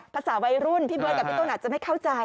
ภาษาวัยรุ่นพี่เบิร์ดกับพี่ต้นอาจจะไม่เข้าใจ